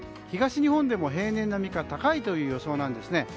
東日本でも平年並みか高いという予想です。